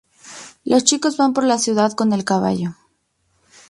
Los chicos van por la ciudad con el caballo.